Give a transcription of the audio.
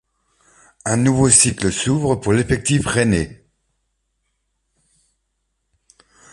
Un nouveau cycle s'ouvre pour l'effectif rennais.